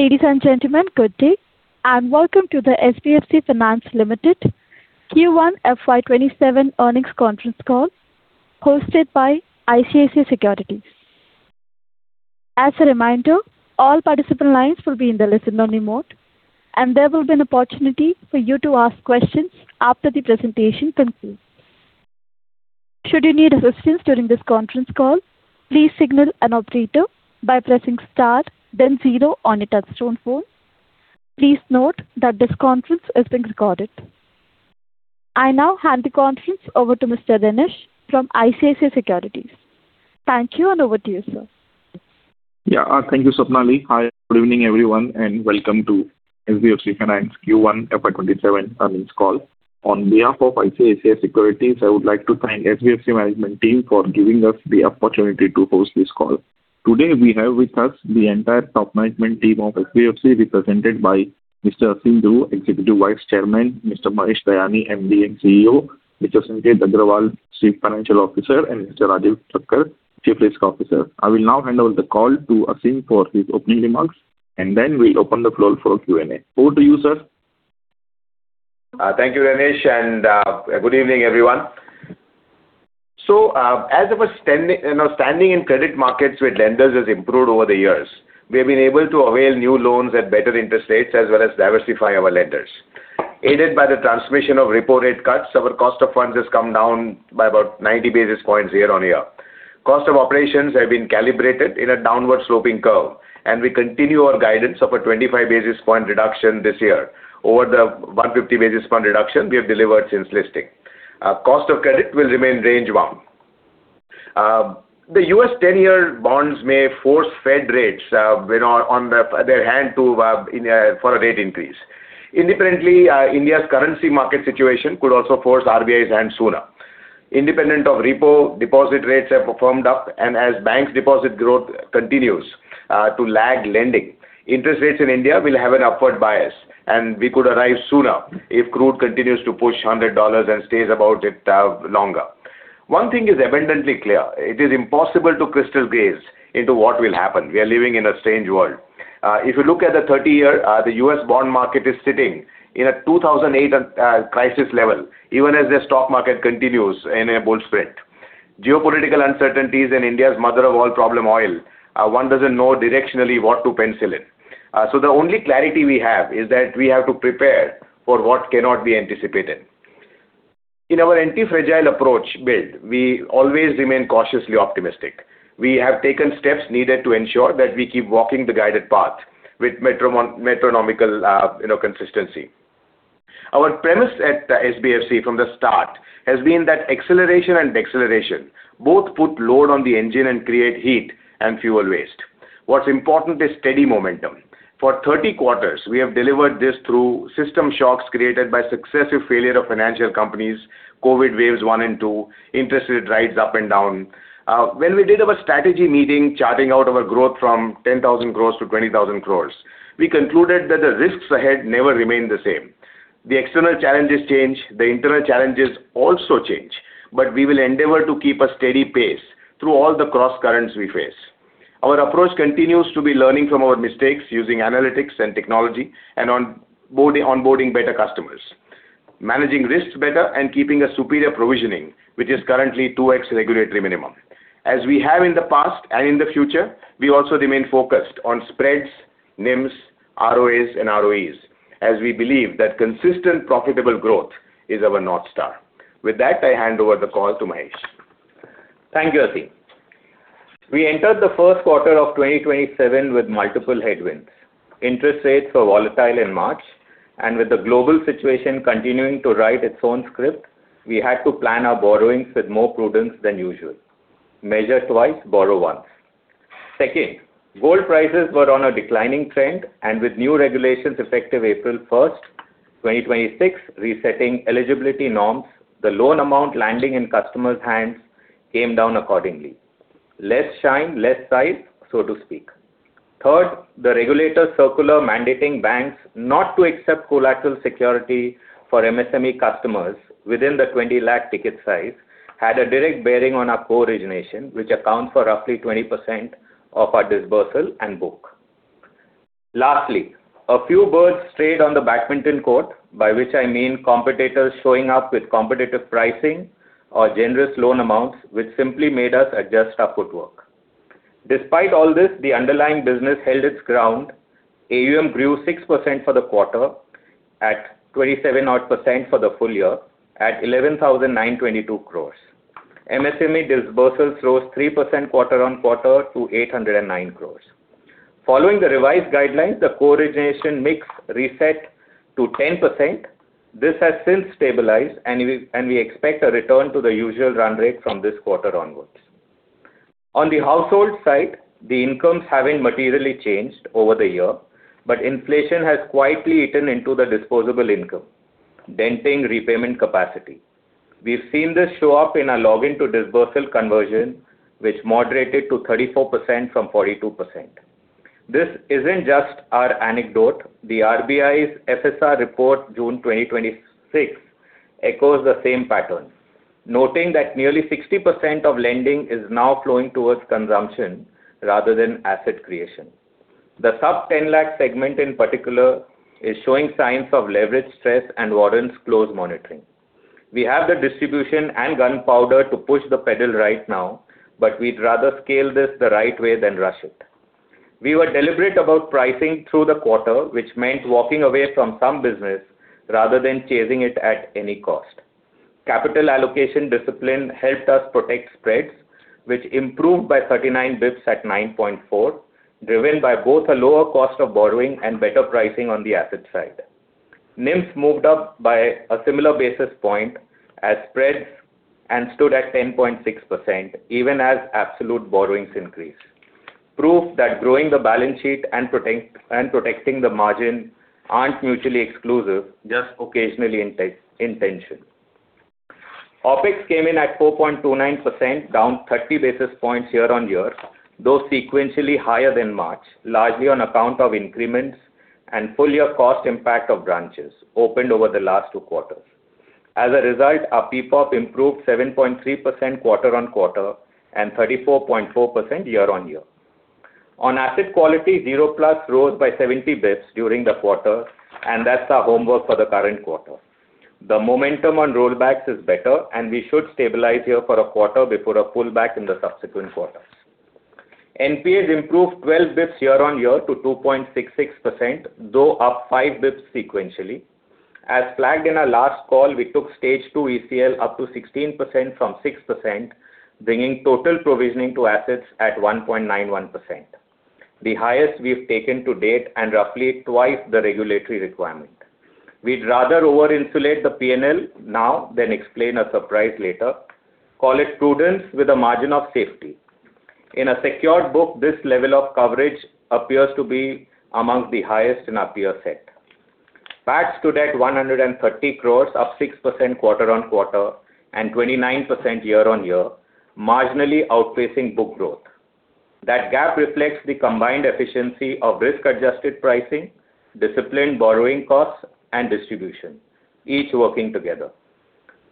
Ladies and gentlemen, good day and welcome to the SBFC Finance Limited Q1 FY 2027 Earnings Conference Call hosted by ICICI Securities. As a reminder, all participant lines will be in the listen-only mode, and there will be an opportunity for you to ask questions after the presentation concludes. Should you need assistance during this conference call, please signal an operator by pressing star, then zero on your touch-tone phone. Please note that this conference is being recorded. I now hand the conference over to Mr. Dinesh from ICICI Securities. Thank you, and over to you, sir. Thank you, Swapnali. Hi, good evening, everyone, and welcome to SBFC Finance Q1 FY 2027 Earnings Call. On behalf of ICICI Securities, I would like to thank SBFC management team for giving us the opportunity to host this call. Today we have with us the entire top management team of SBFC represented by Mr. Aseem Dhru, Executive Vice Chairman, Mr. Mahesh Dayani, MD & CEO, Mr. Sanket Agrawal, Chief Financial Officer, and Mr. Rajiv Thakker, Chief Risk Officer. I will now hand over the call to Aseem for his opening remarks, and then we'll open the floor for Q&A. Over to you, sir. Thank you, Dinesh, and good evening, everyone. As our standing in credit markets with lenders has improved over the years, we have been able to avail new loans at better interest rates as well as diversify our lenders. Aided by the transmission of repo rate cuts, our cost of funds has come down by about 90 basis points year-on-year. Cost of operations have been calibrated in a downward-sloping curve, and we continue our guidance of a 25 basis point reduction this year over the 150 basis point reduction we have delivered since listing. Cost of credit will remain range-bound. The U.S. 10-year bonds may force Fed rates on their hand for a rate increase. Independently, India's currency market situation could also force RBI's hand sooner. Independent of repo, deposit rates have firmed up. As banks' deposit growth continues to lag lending, interest rates in India will have an upward bias, and we could arrive sooner if crude continues to push $100 and stays above it longer. One thing is abundantly clear. It is impossible to crystal gaze into what will happen. We are living in a strange world. If you look at the 30-year, the U.S. bond market is sitting in a 2008 crisis level, even as the stock market continues in a bull spread. Geopolitical uncertainties and India's mother of all problem oil, one doesn't know directionally what to pencil in. The only clarity we have is that we have to prepare for what cannot be anticipated. In our antifragile approach build, we always remain cautiously optimistic. We have taken steps needed to ensure that we keep walking the guided path with metronomical consistency. Our premise at SBFC from the start has been that acceleration and deceleration both put load on the engine and create heat and fuel waste. What's important is steady momentum. For 30 quarters, we have delivered this through system shocks created by successive failure of financial companies, COVID waves one and two, interest rate rides up and down. When we did our strategy meeting, charting out our growth from 10,000 crore to 20,000 crore, we concluded that the risks ahead never remain the same. The external challenges change. The internal challenges also change. We will endeavor to keep a steady pace through all the crosscurrents we face. Our approach continues to be learning from our mistakes using analytics and technology and onboarding better customers. Managing risks better and keeping a superior provisioning, which is currently 2x regulatory minimum. As we have in the past and in the future, we also remain focused on spreads, NIMs, ROAs and ROEs, as we believe that consistent profitable growth is our North Star. With that, I hand over the call to Mahesh. Thank you, Aseem. We entered the first quarter of 2027 with multiple headwinds. Interest rates were volatile in March, and with the global situation continuing to write its own script, we had to plan our borrowings with more prudence than usual. Measure twice, borrow once. Second, gold prices were on a declining trend, and with new regulations effective April 1st, 2026, resetting eligibility norms, the loan amount landing in customers' hands came down accordingly. Less shine, less size, so to speak. Third, the regulator circular mandating banks not to accept collateral security for MSME customers within the 20 lakh ticket size had a direct bearing on our co-origination, which accounts for roughly 20% of our dispersal and book. Lastly, a few birds strayed on the badminton court, by which I mean competitors showing up with competitive pricing or generous loan amounts, which simply made us adjust our footwork. Despite all this, the underlying business held its ground. AUM grew 6% for the quarter at 27% odd for the full year at 11,922 crore. MSME disbursements rose 3% quarter-on-quarter to 809 crore. Following the revised guidelines, the co-origination mix reset to 10%. This has since stabilized, and we expect a return to the usual run rate from this quarter onwards. On the household side, the incomes haven't materially changed over the year, but inflation has quietly eaten into the disposable income, denting repayment capacity. We've seen this show up in our login to dispersal conversion, which moderated to 34% from 42%. This isn't just our anecdote. The RBI's FSR report June 2026 echoes the same pattern, noting that nearly 60% of lending is now flowing towards consumption rather than asset creation. The sub-INR 10 lakh segment in particular is showing signs of leverage stress and warrants close monitoring. We have the distribution and gunpowder to push the pedal right now, but we'd rather scale this the right way than rush it. We were deliberate about pricing through the quarter, which meant walking away from some business rather than chasing it at any cost. Capital allocation discipline helped us protect spreads, which improved by 39 basis points at 9.4%, driven by both a lower cost of borrowing and better pricing on the asset side. NIMs moved up by a similar basis points as spreads, and stood at 10.6%, even as absolute borrowings increased. Proof that growing the balance sheet and protecting the margin aren't mutually exclusive, just occasionally in tension. OpEx came in at 4.29%, down 30 basis points year-on-year, though sequentially higher than March, largely on account of increments and full year cost impact of branches opened over the last two quarters. As a result, our PPOP improved 7.3% quarter-on-quarter and 34.4% year-on-year. On asset quality, 0+ rose by 70 basis points during the quarter, and that's our homework for the current quarter. The momentum on rollbacks is better, and we should stabilize here for a quarter before a pullback in the subsequent quarters. NPAs improved 12 basis points year-on-year to 2.66%, though up 5 basis points sequentially. As flagged in our last call, we took Stage 2 ECL up to 16% from 6%, bringing total provisioning to assets at 1.91%, the highest we've taken to date and roughly twice the regulatory requirement. We'd rather over insulate the P&L now than explain a surprise later. Call it prudence with a margin of safety. In a secured book, this level of coverage appears to be amongst the highest in our peer set. PAT stood at 130 crore, up 6% quarter-on-quarter and 29% year-on-year, marginally outpacing book growth. That gap reflects the combined efficiency of risk-adjusted pricing, disciplined borrowing costs, and distribution, each working together.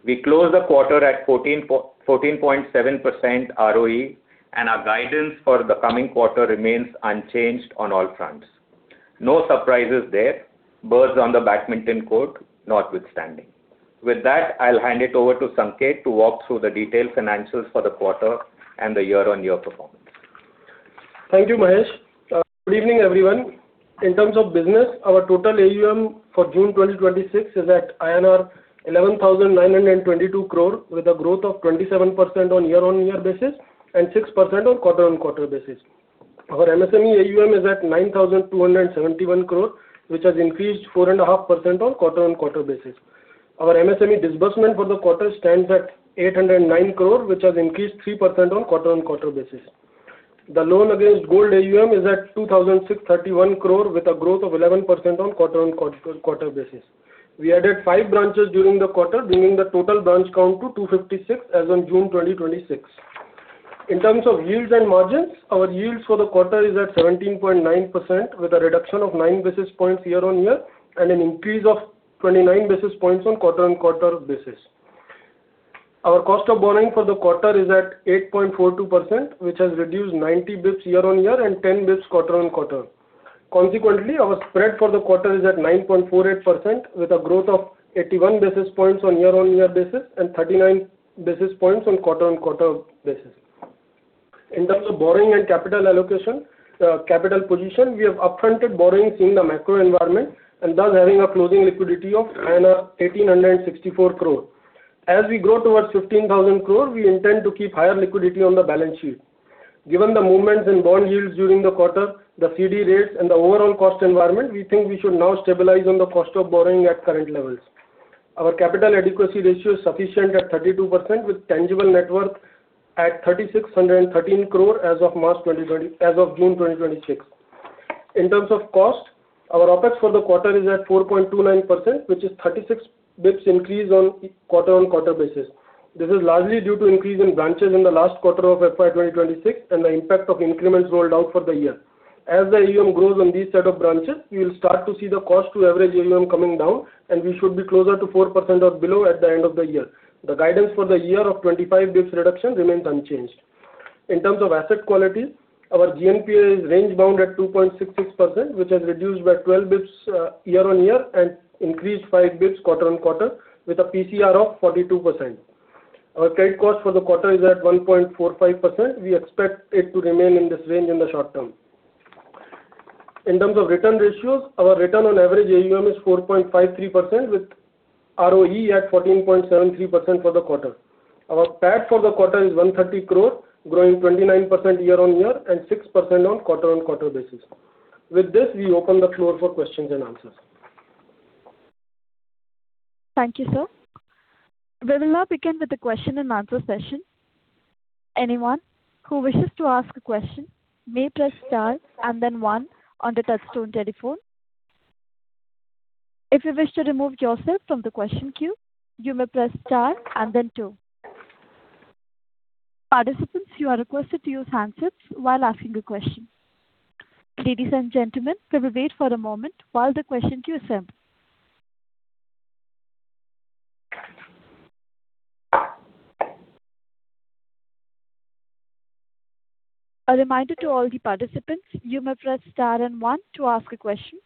We closed the quarter at 14.7% ROE, and our guidance for the coming quarter remains unchanged on all fronts. No surprises there, burrs on the badminton court notwithstanding. With that, I'll hand it over to Sanket to walk through the detailed financials for the quarter and the year-on-year performance. Thank you, Mahesh. Good evening, everyone. In terms of business, our total AUM for June 2026 is at INR 11,922 crore, with a growth of 27% on year-on-year basis and 6% on quarter-on-quarter basis. Our MSME AUM is at 9,271 crore, which has increased 4.5% on quarter-on-quarter basis. Our MSME disbursement for the quarter stands at 809 crore, which has increased 3% on quarter-on-quarter basis. The loan against gold AUM is at 2,631 crore, with a growth of 11% on quarter-on-quarter basis. We added five branches during the quarter, bringing the total branch count to 256 as on June 2026. In terms of yields and margins, our yields for the quarter is at 17.9%, with a reduction of 9 basis points year-on-year, and an increase of 29 basis points on quarter-on-quarter basis. Our cost of borrowing for the quarter is at 8.42%, which has reduced 90 basis points year-on-year and 10 basis points quarter-on-quarter. Consequently, our spread for the quarter is at 9.48%, with a growth of 81 basis points on year-on-year basis and 39 basis points on quarter-on-quarter basis. In terms of borrowing and capital allocation, capital position, we have upfronted borrowings in the macro environment and thus having a closing liquidity of 1,864 crore. As we grow towards 15,000 crore, we intend to keep higher liquidity on the balance sheet. Given the movements in bond yields during the quarter, the CD rates, and the overall cost environment, we think we should now stabilize on the cost of borrowing at current levels. Our capital adequacy ratio is sufficient at 32%, with tangible net worth at 3,613 crore as of June 2026. In terms of cost, our OpEx for the quarter is at 4.29%, which is 36 basis points increase on quarter-on-quarter basis. This is largely due to increase in branches in the last quarter of FY 2026 and the impact of increments rolled out for the year. As the AUM grows on these set of branches, we will start to see the cost to average AUM coming down, and we should be closer to 4% or below at the end of the year. The guidance for the year of 25 basis points reduction remains unchanged. In terms of asset quality, our GNPA is range bound at 2.66%, which has reduced by 12 basis points year-on-year and increased 5 basis points quarter-on-quarter with a PCR of 42%. Our credit cost for the quarter is at 1.45%. We expect it to remain in this range in the short term. In terms of return ratios, our return on average AUM is 4.53%, with ROE at 14.73% for the quarter. Our PAT for the quarter is 130 crore, growing 29% year-on-year and 6% on quarter-on-quarter basis. With this, we open the floor for questions and answers. Thank you, sir. We will now begin with the question and answer session. Anyone who wishes to ask a question may press star and then one on the touchtone telephone. If you wish to remove yourself from the question queue, you may press star and then two. Participants, you are requested to use handsets while asking a question. Ladies and gentlemen, could we wait for a moment while the question queue assembles? A reminder to all the participants, you may press star and one to ask a question.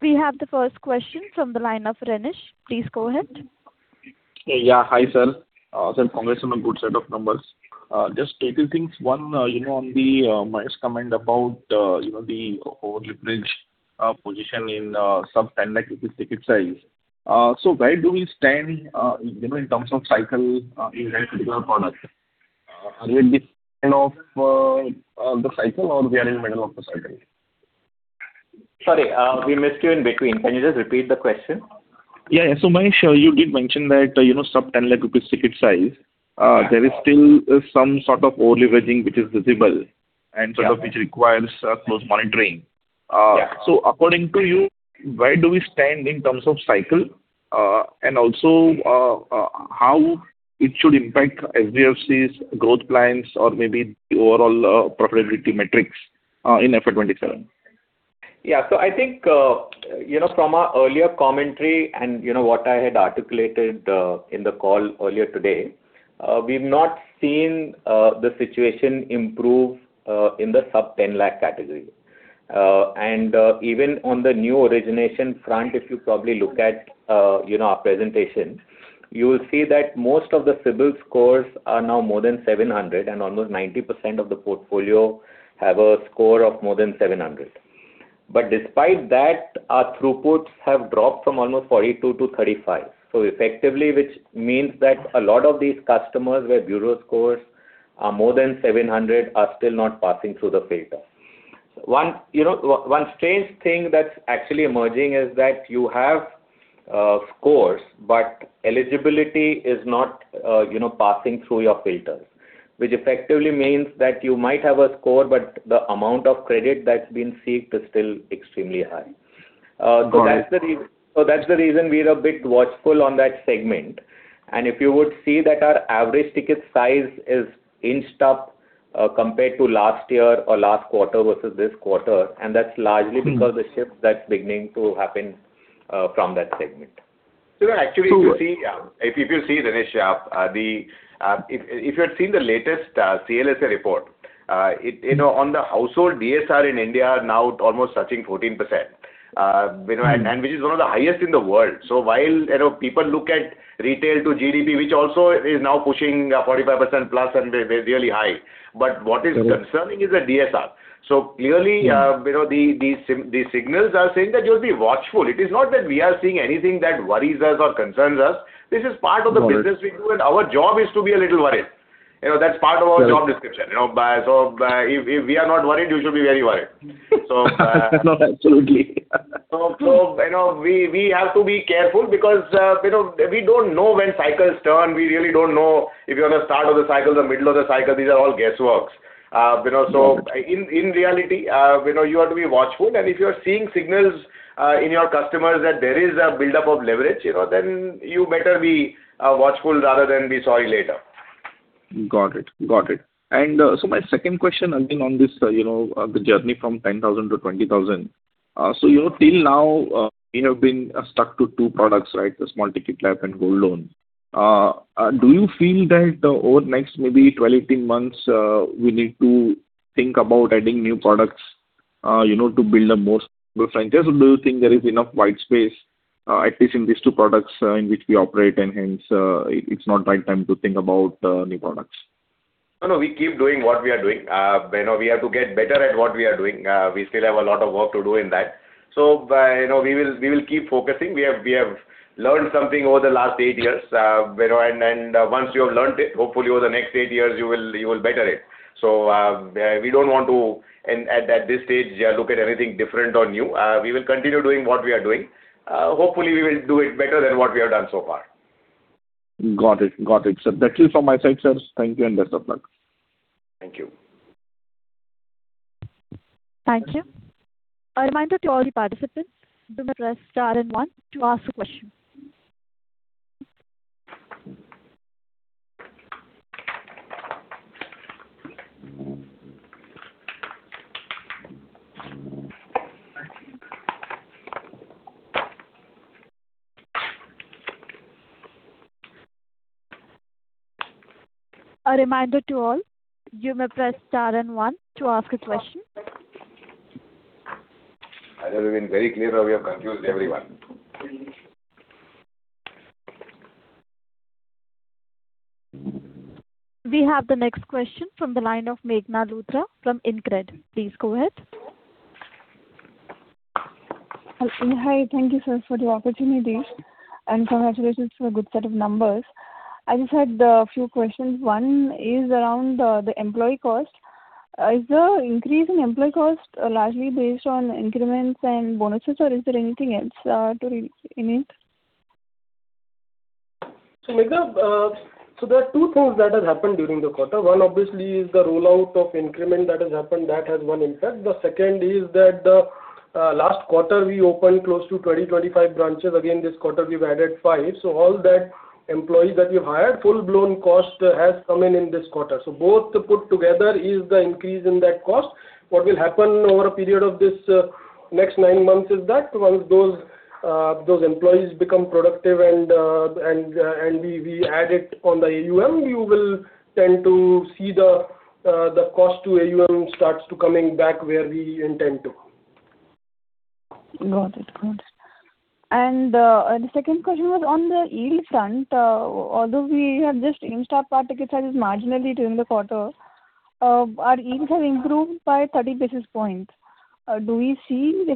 We have the first question from the line of Rinesh. Please go ahead. Hi, sir. Sir, congrats on a good set of numbers. Just two things. One, on Mahesh's comment about the over-leveraged position in sub-10 lakh ticket size. Where do we stand in terms of cycle in that particular product? Are we at this end of the cycle or we are in the middle of the cycle? Sorry, we missed you in between. Can you just repeat the question? Mahesh, you did mention that sub-10 lakh ticket size, there is still some sort of over-leveraging which is visible and sort of which requires close monitoring. Yeah. According to you, where do we stand in terms of cycle? Also, how it should impact SBFC's growth plans or maybe the overall profitability metrics in FY 2027? I think, from our earlier commentary and what I had articulated in the call earlier today, we've not seen the situation improve in the sub-INR 10 lakh category. Even on the new origination front, if you probably look at our presentation, you will see that most of the CIBIL scores are now more than 700 and almost 90% of the portfolio have a score of more than 700. Despite that, our throughputs have dropped from almost 42-35. Effectively, which means that a lot of these customers where bureau scores are more than 700 are still not passing through the filter. One strange thing that's actually emerging is that you have scores, but eligibility is not passing through your filters, which effectively means that you might have a score, but the amount of credit that's been seeked is still extremely high. Got it. That's the reason we're a bit watchful on that segment. If you would see that our average ticket size is inched up compared to last year or last quarter versus this quarter, that's largely because the shift that's beginning to happen from that segment. Actually if you see, Rinesh, if you had seen the latest CLSA report on the household DSR in India are now almost touching 14%. Right. Which is one of the highest in the world. While people look at retail to GDP, which also is now pushing 45%+ and they're really high, what is concerning is the DSR. Clearly, the signals are saying that you be watchful. It is not that we are seeing anything that worries us or concerns us. This is part of the business we do, and our job is to be a little worried. That's part of our job description. If we are not worried, you should be very worried. Absolutely. We have to be careful because we don't know when cycles turn. We really don't know if you're on the start of the cycle or the middle of the cycle. These are all guess works. In reality, you have to be watchful, and if you are seeing signals in your customers that there is a buildup of leverage, then you better be watchful rather than be sorry later. Got it. My second question again on this, the journey from 10,000-20,000. Till now, we have been stuck to two products, right? The small ticket loan and gold loan. Do you feel that over next maybe 12, 18 months, we need to think about adding new products to build a more stronger franchise? Do you think there is enough white space at least in these two products in which we operate, and hence, it's not right time to think about new products? No, we keep doing what we are doing. We have to get better at what we are doing. We still have a lot of work to do in that. We will keep focusing. We have learned something over the last eight years, and once you have learnt it, hopefully over the next eight years, you will better it. We don't want to at this stage look at anything different or new. We will continue doing what we are doing. Hopefully, we will do it better than what we have done so far. Got it. Sir, that's it from my side, sir. Thank you, and best of luck. Thank you. Thank you. A reminder to all the participants, you may press star and one to ask the question. A reminder to all, you may press star and one to ask a question. Either we've been very clear or we have confused everyone. We have the next question from the line of Meghna Luthra from InCred. Please go ahead. Hi. Thank you, sir, for the opportunity, and congratulations for a good set of numbers. I just had a few questions. One is around the employee cost. Is the increase in employee cost largely based on increments and bonuses, or is there anything else to read in it? Meghna, there are two things that have happened during the quarter. One obviously is the rollout of increment that has happened. That has one impact. The second is that last quarter we opened close to 20, 25 branches. Again, this quarter we've added five. All that employees that we've hired, full-blown cost has come in in this quarter. So both that put together is the increase in the cost. What will happen over a period of this next nine months is that once those employees become productive and we add it on the AUM, you will tend to see the cost to AUM starts to coming back where we intend to. Got it. Good. The second question was on the yield front. Although we have just increased pricing is marginally during the quarter, our yields have improved by 30 basis points. Is that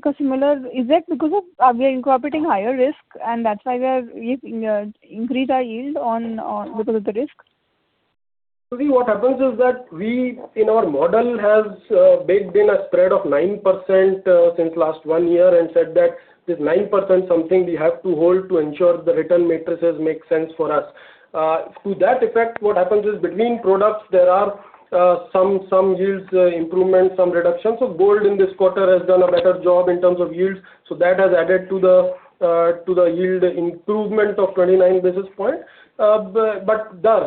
because we are incorporating higher risk and that's why we have increased our yield because of the risk? Really what happens is that we in our model have baked in a spread of 9% since last one year and said that this 9% something we have to hold to ensure the return matrices make sense for us. To that effect, what happens is between products, there are some yields improvement, some reductions. Gold in this quarter has done a better job in terms of yields. That has added to the yield improvement of 29 basis point. The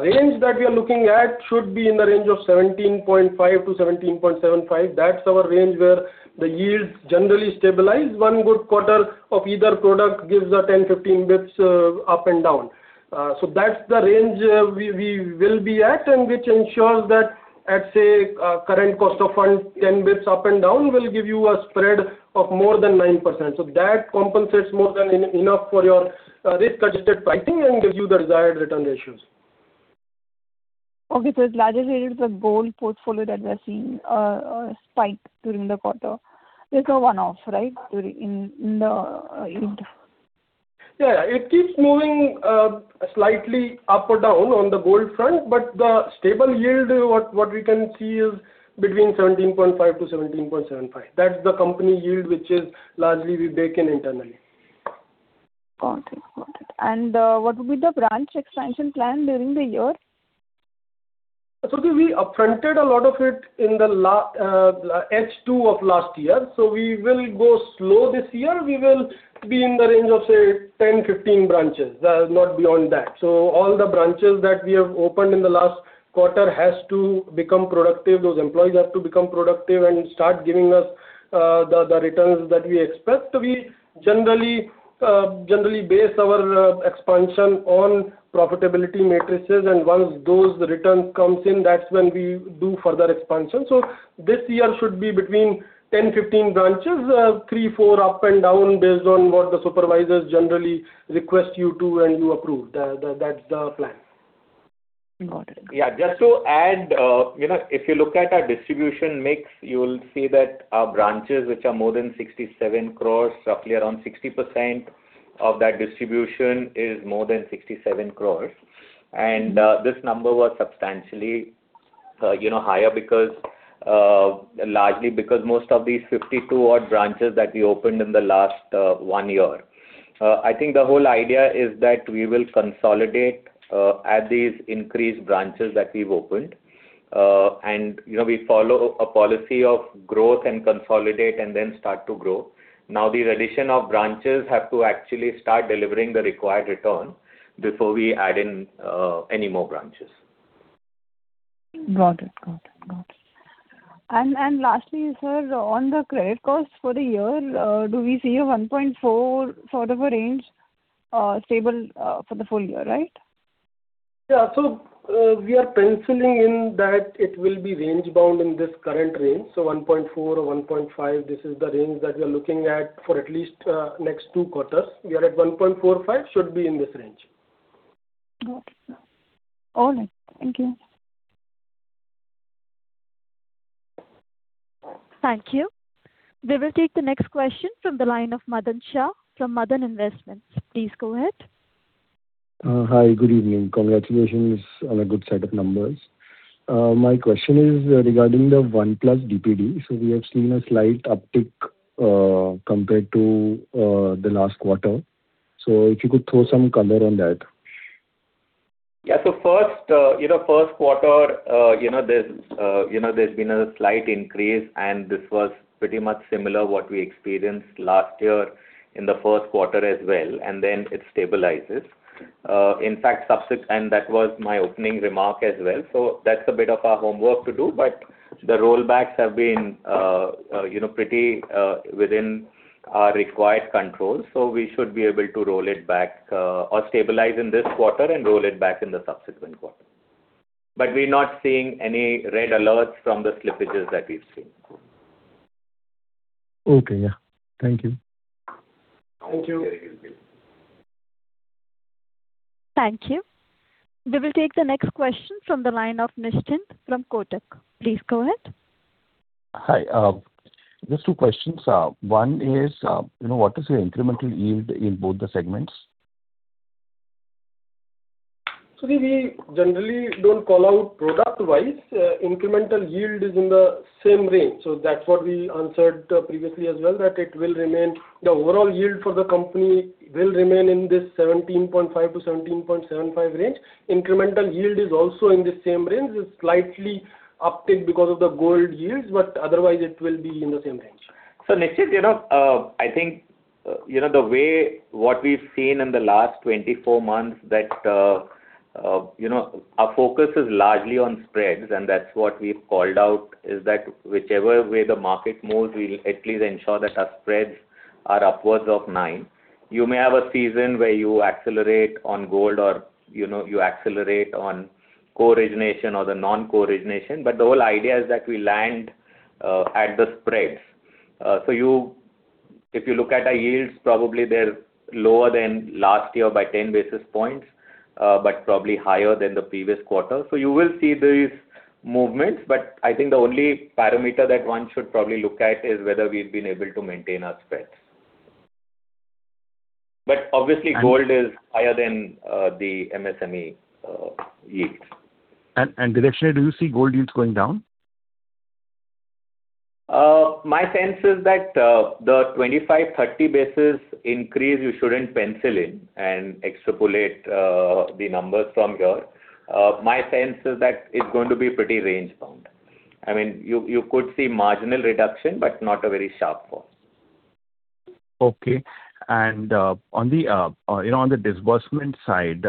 range that we are looking at should be in the range of 17.5-17.75. That's our range where the yields generally stabilize. One good quarter of either product gives a 10, 15 basis points up and down. That's the range we will be at and which ensures that at, say, current cost of funds, 10 basis points up and down will give you a spread of more than 9%. That compensates more than enough for your risk-adjusted pricing and gives you the desired return ratios. Okay. It's largely related to the gold portfolio that we are seeing a spike during the quarter. It's a one-off, right? In the yield. Yeah. It keeps moving slightly up or down on the gold front, the stable yield, what we can see is between 17.5-17.75. That's the company yield, which is largely we bake in internally. Got it. What would be the branch expansion plan during the year? So we upfronted a lot of it in the H2 of last year. We will go slow this year. We will be in the range of, say, 10, 15 branches, not beyond that. All the branches that we have opened in the last quarter has to become productive. Those employees have to become productive and start giving us the returns that we expect. We generally base our expansion on profitability matrices, and once those returns comes in, that's when we do further expansion. This year should be between 10, 15 branches, three, four up and down based on what the supervisors generally request you to and you approve. That's the plan. Got it. Yeah. Just to add, if you look at our distribution mix, you'll see that our branches, which are more than 67 crores, roughly around 60% of that distribution is more than 67 crores. This number was substantially higher largely because most of these 52 odd branches that we opened in the last one year. I think the whole idea is that we will consolidate at these increased branches that we've opened. We follow a policy of growth and consolidate and then start to grow. These addition of branches have to actually start delivering the required return before we add in any more branches. Got it. Lastly, sir, on the credit cost for the year, do we see a 1.4 sort of a range stable for the full year, right? Yeah. We are penciling in that it will be range bound in this current range. 1.4 or 1.5, this is the range that we are looking at for at least next two quarters. We are at 1.45, should be in this range. Got it, sir. All right. Thank you. Thank you. We will take the next question from the line of Madan Shah from Madan Investments. Please go ahead. Hi, good evening. Congratulations on a good set of numbers. My question is regarding the 1+ DPD. We have seen a slight uptick compared to the last quarter. If you could throw some color on that. Yeah. First quarter there's been a slight increase, this was pretty much similar what we experienced last year in the first quarter as well, then it stabilizes. In fact, that was my opening remark as well. That's a bit of our homework to do, the rollbacks have been pretty within our required controls. We should be able to roll it back or stabilize in this quarter and roll it back in the subsequent quarter. We're not seeing any red alerts from the slippages that we've seen. Okay. Yeah. Thank you. Thank you. Thank you. We will take the next question from the line of Nischint from Kotak. Please go ahead. Hi. Just two questions. One is, what is your incremental yield in both the segments? We generally don't call out product-wise. Incremental yield is in the same range. That's what we answered previously as well, that the overall yield for the company will remain in this 17.5%-17.75% range. Incremental yield is also in the same range. It's slightly uptick because of the gold yields, but otherwise it will be in the same range. Nischint, I think what we've seen in the last 24 months that our focus is largely on spreads and that's what we've called out, is that whichever way the market moves, we'll at least ensure that our spreads are upwards of nine. You may have a season where you accelerate on gold or you accelerate on co-origination or the non-co-origination, the whole idea is that we land at the spreads. If you look at our yields, probably they're lower than last year by 10 basis points, but probably higher than the previous quarter. You will see these movements, but I think the only parameter that one should probably look at is whether we've been able to maintain our spreads. Obviously gold is higher than the MSME yields. And direction, do you see gold yields going down? My sense is that the 25, 30 basis increase you shouldn't pencil in and extrapolate the numbers from here. My sense is that it's going to be pretty range bound. You could see marginal reduction but not a very sharp fall. Okay. On the disbursement side,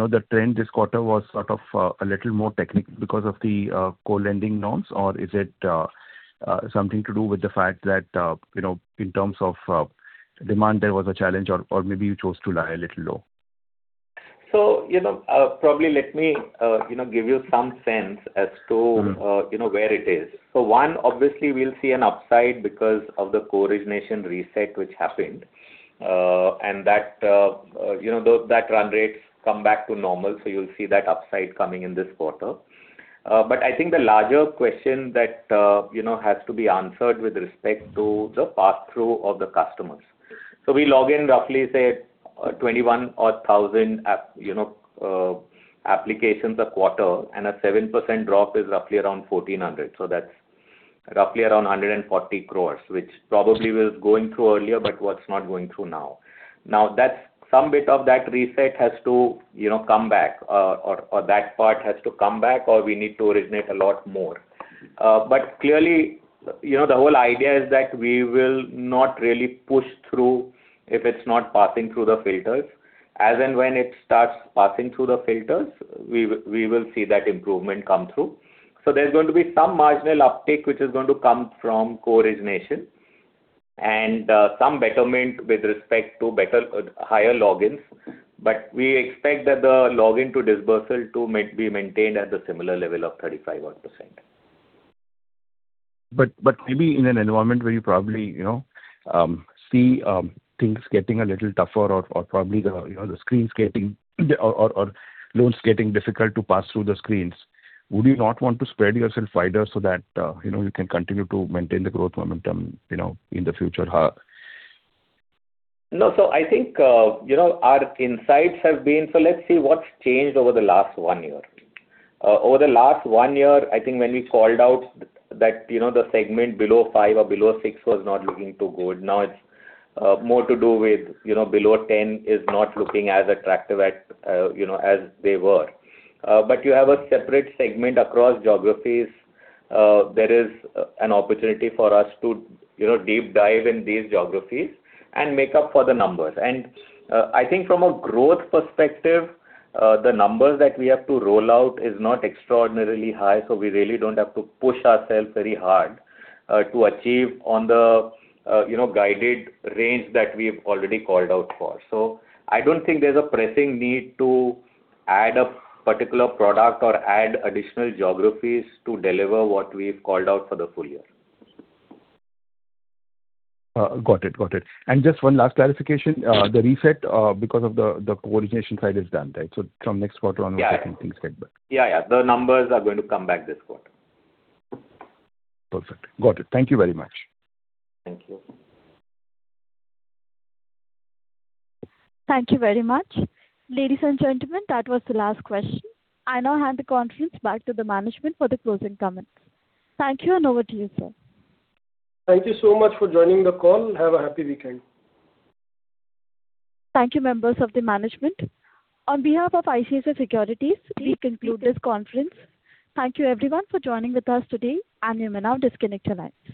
the trend this quarter was sort of a little more technical because of the co-lending norms, or is it something to do with the fact that in terms of demand there was a challenge or maybe you chose to lie a little low? Probably let me give you some sense as to where it is. One, obviously we'll see an upside because of the co-origination reset which happened. That run rate come back to normal, you'll see that upside coming in this quarter. I think the larger question that has to be answered with respect to the pass-through of the customers. We log in roughly, say, 21,000 applications a quarter and a 7% drop is roughly around 1,400. That's roughly around 140 crores, which probably was going through earlier but what's not going through now. Some bit of that reset has to come back or that part has to come back or we need to originate a lot more. Clearly, the whole idea is that we will not really push through if it's not passing through the filters. As and when it starts passing through the filters, we will see that improvement come through. There's going to be some marginal uptick which is going to come from co-origination and some betterment with respect to higher logins. We expect that the login to dispersal to be maintained at the similar level of 35-odd percent. Maybe in an environment where you probably see things getting a little tougher or probably the loans getting difficult to pass through the screens, would you not want to spread yourself wider so that you can continue to maintain the growth momentum in the future? No. Let's see what's changed over the last one year. Over the last one year, I think when we called out that the segment below five or below six was not looking too good. Now it's more to do with below 10 is not looking as attractive as they were. You have a separate segment across geographies. There is an opportunity for us to deep dive in these geographies and make up for the numbers. I think from a growth perspective, the numbers that we have to roll out is not extraordinarily high, we really don't have to push ourselves very hard to achieve on the guided range that we've already called out for. I don't think there's a pressing need to add a particular product or add additional geographies to deliver what we've called out for the full year. Got it. Just one last clarification. The reset because of the core origination side is done. From next quarter on we're taking things back. Yeah. The numbers are going to come back this quarter. Perfect. Got it. Thank you very much. Thank you. Thank you very much. Ladies and gentlemen, that was the last question. I now hand the conference back to the management for the closing comments. Thank you and over to you, sir. Thank you so much for joining the call. Have a happy weekend. Thank you, members of the management. On behalf of ICICI Securities, we conclude this conference. Thank you everyone for joining with us today. I'm now disconnecting your lines.